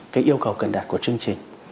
cái yêu cầu cần đạt của chương trình